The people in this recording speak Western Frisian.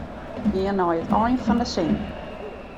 Gean nei it ein fan de sin.